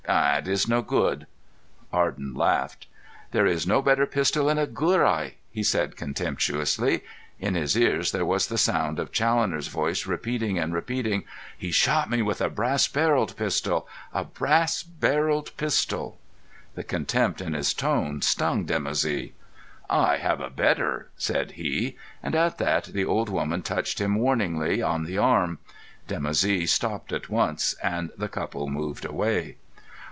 "It is no good." Arden laughed. "There is no better pistol in Agurai," said he contemptuously. In his ears there was the sound of Challoner's voice repeating and repeating: "He shot me with a brass barrelled pistol—a brass barrelled pistol." The contempt in his tone stung Dimoussi. "I have a better," said he, and at that the old woman touched him warningly on the arm. Dimoussi stopped at once, and the couple moved away.